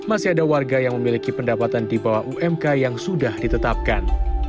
masih ada warga yang memiliki pendapatan di bawah umk yang sudah ditetapkan